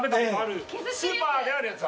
スーパーであるやつ。